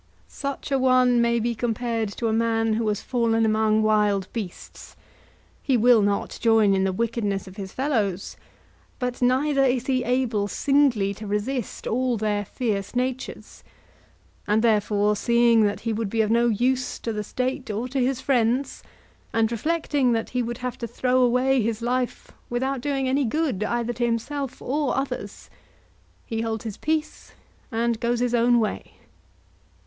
Such an one may be compared to a man who has fallen among wild beasts—he will not join in the wickedness of his fellows, but neither is he able singly to resist all their fierce natures, and therefore seeing that he would be of no use to the State or to his friends, and reflecting that he would have to throw away his life without doing any good either to himself or others, he holds his peace, and goes his own way.